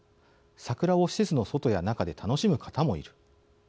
桜を施設の外や中で楽しむ方もいる」。